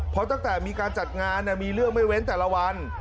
เพราะตั้งแต่มีการจัดงานมีเรื่องไม่เว้นแต่ละวัน